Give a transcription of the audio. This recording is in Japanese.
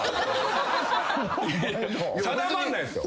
定まんないんすよ。